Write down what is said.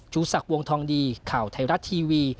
ศักดิ์วงทองดีข่าวไทยรัฐทีวี